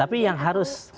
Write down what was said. tapi yang harus